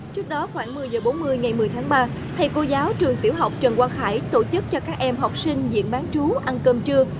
trước đó khoảng một mươi giờ bốn mươi ngày một mươi tháng ba thầy cô giáo trường tiểu học trần quang khải tổ chức cho các em học sinh diện bán chú ăn cơm trưa